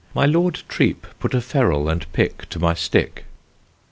My Lord Treep put a ferral and pick to my stick.